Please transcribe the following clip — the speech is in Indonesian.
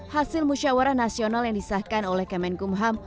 hasil musyawarah nasional yang disahkan oleh kemenkum ham